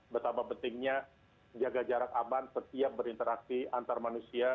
betapa pentingnya jaga jarak aman setiap berinteraksi antar manusia